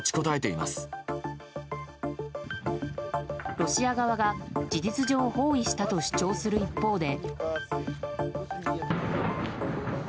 ロシア側が事実上包囲したと主張する一方で。